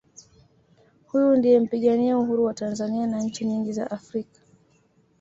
huyu ndiye mpigania Uhuru wa tanzania na nchi nyingi za africa